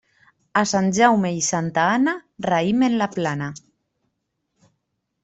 A Sant Jaume i Santa Anna, raïm en la plana.